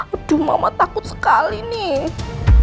aduh mama takut sekali nih